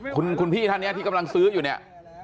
คุณพี่ท่านนี้ที่กำลังซื้ออยู่เนี่ย